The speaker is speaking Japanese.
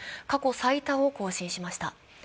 過去最多を更新しました。